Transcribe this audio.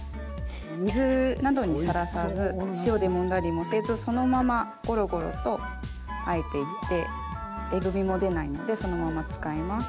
水などにさらさず塩でもんだりもせずそのままごろごろとあえていってえぐみも出ないのでそのまま使えます。